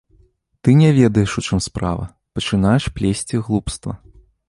Ты не ведаеш, у чым справа, пачынаеш плесці глупства.